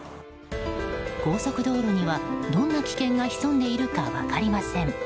高速道路にはどんな危険が潜んでいるか分かりません。